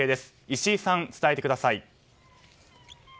石井さん、伝えてください。